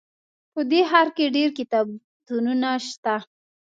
په دې ښار کې ډېر کتابتونونه شته